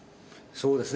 そうですね。